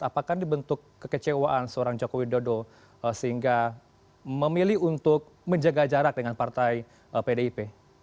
apakah dibentuk kekecewaan seorang jokowi dodo sehingga memilih untuk menjaga jarak dengan partai bdip